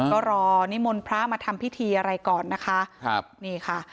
ก็รอนิมนต์พระมาทำพิธีอะไรก่อนนะคะครับนี่ค่ะ